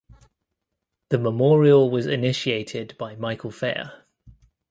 The memorial was initiated by Michael Feyer.